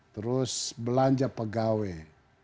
terus belanja pegawai